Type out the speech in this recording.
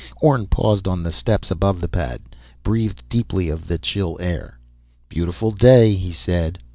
Orne paused on the steps above the pad, breathed deeply of the chill air. "Beautiful day," he said.